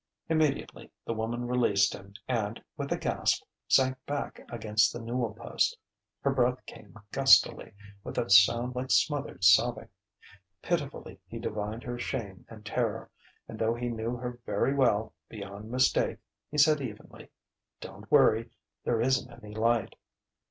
Immediately the woman released him and, with a gasp, sank back against the newel post. Her breath came gustily, with a sound like smothered sobbing. Pitifully he divined her shame and terror; and though he knew her very well, beyond mistake, he said evenly: "Don't worry there isn't any light."